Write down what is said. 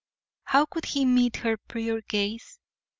How could he meet her pure gaze?